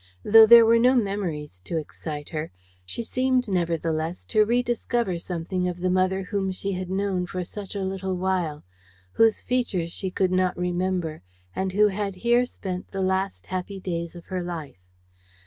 Though there were no memories to excite her, she seemed, nevertheless, to rediscover something of the mother whom she had known for such a little while, whose features she could not remember and who had here spent the last happy days of her life.